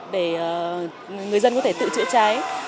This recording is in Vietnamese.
để người dân có thể tự chữa cháy